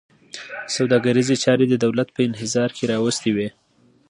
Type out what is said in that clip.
سوداګریزې چارې د دولت په انحصار کې راوستې وې.